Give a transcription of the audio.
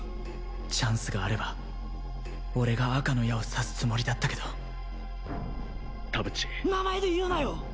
チャンスがあれば俺が赤の矢を刺すつもりだったけど田淵名前で言うなよ！